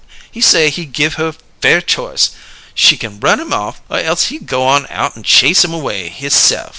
He say he give her fair choice; she kin run him off, or else he go on out and chase him away hisse'f.